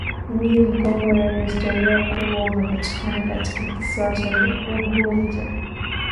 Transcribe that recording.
Mji Mkongwe wenye historia kubwa unapatika katika kisiwa cha Unguja